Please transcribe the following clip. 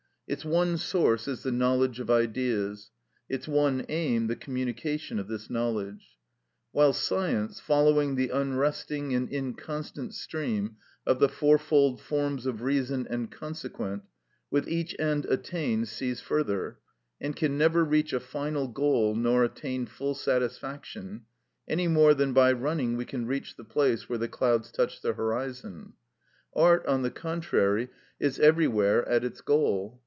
Its one source is the knowledge of Ideas; its one aim the communication of this knowledge. While science, following the unresting and inconstant stream of the fourfold forms of reason and consequent, with each end attained sees further, and can never reach a final goal nor attain full satisfaction, any more than by running we can reach the place where the clouds touch the horizon; art, on the contrary, is everywhere at its goal.